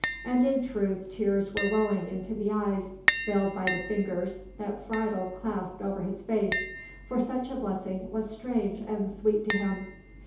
And in truth tears were welling into the eyes veiled by the fingers that Friedel clasped over his face, for such a blessing was strange and sweet to him.